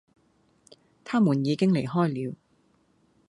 他們已經離開了